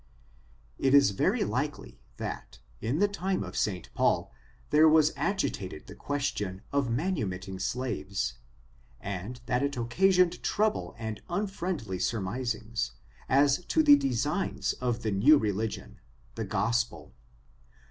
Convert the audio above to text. It is very likely, that, in the time of St. Paul, there was agitated the question of manumitting slaves, and that it occasioned trouble and unfriendly surmis ings, as to the designs of the new religion — the Gospel.